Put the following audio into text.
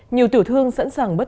nhiều tiểu thương sẵn sàng bất tử